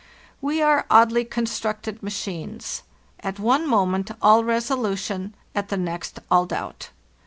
"We are oddly constructed machines. At one mo ment all resolution, at the next all doubt.